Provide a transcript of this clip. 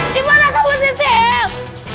dimana kamu cecil